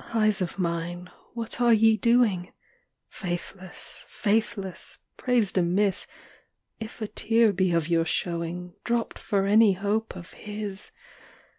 XVIII. Eyes of mine, what are ye doing? Faithless, faithless, praised amiss If a tear be of your showing, Dropt for any hope of HIS!